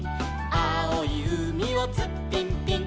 「あおいうみをツッピンピン」